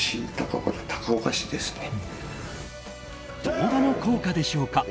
動画の効果でしょうか。